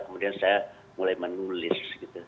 kemudian saya mulai menulis